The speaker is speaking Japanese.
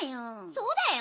そうだよ。